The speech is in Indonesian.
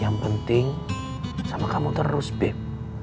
yang penting sama kamu terus bip